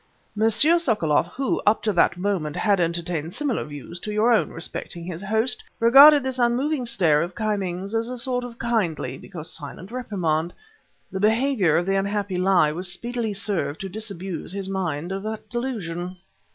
M. Sokoloff, who, up to that moment, had entertained similar views to your own respecting his host, regarded this unmoving stare of Ki Ming's as a sort of kindly, because silent, reprimand. The behavior of the unhappy Li very speedily served to disabuse his mind of that delusion.